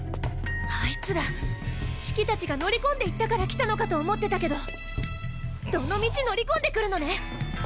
あいつらシキたちが乗り込んでいったから来たのかと思ってたけどどのみち乗り込んでくるのね！